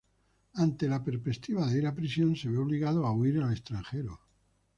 Ante la perspectiva de ir a prisión, se ve obligado a huir al extranjero.